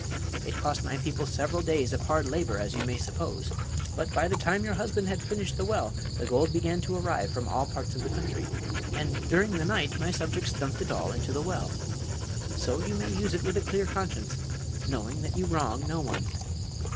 It cost my people several days of hard labor, as you may suppose; but by the time your husband had finished the well the gold began to arrive from all parts of the country, and during the night my subjects dumped it all into the well. So you may use it with a clear conscience, knowing that you wrong no one."